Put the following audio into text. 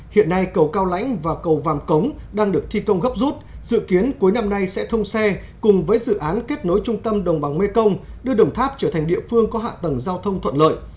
hiện nay cầu cao lãnh và cầu vàm cống đang được thi công gấp rút dự kiến cuối năm nay sẽ thông xe cùng với dự án kết nối trung tâm đồng bằng mê công đưa đồng tháp trở thành địa phương có hạ tầng giao thông thuận lợi